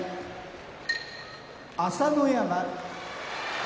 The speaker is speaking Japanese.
朝乃山